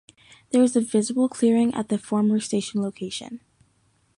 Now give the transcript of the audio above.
There is a visible clearing at the former station location.